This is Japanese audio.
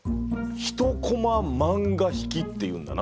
１コマ漫画悲喜っていうんだな。